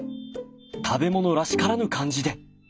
食べ物らしからぬ感じで！